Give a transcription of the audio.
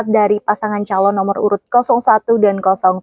dari pasangan calon nomor urut satu dan dua